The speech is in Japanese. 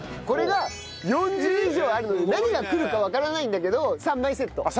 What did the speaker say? これが４０以上あるので何が来るかわからないんだけど３枚セット。